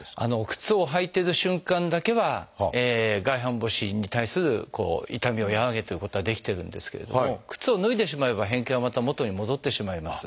靴を履いてる瞬間だけは外反母趾に対する痛みを和らげてることはできてるんですけれども靴を脱いでしまえば変形はまた元に戻ってしまいます。